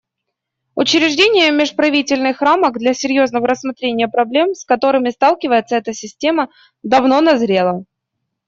Учреждение межправительственных рамок для серьезного рассмотрения проблем, с которыми сталкивается эта система, давно назрело.